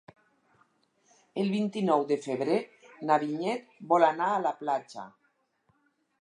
El vint-i-nou de febrer na Vinyet vol anar a la platja.